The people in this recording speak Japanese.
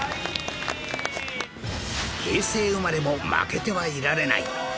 平成生まれも負けてはいられない